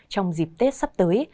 trong dịp tết sắp tới